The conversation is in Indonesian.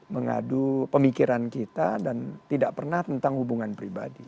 mengadu pemikiran kita dan tidak pernah tentang hubungan pribadi